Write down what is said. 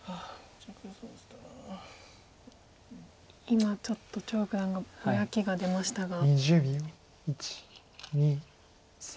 今ちょっと張九段がぼやきが出ましたが。